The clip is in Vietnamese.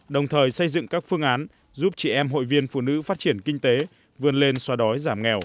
đồng thời xây dựng các phương án giúp trẻ em hội viên phụ nữ phát triển kinh tế vươn lên xóa đói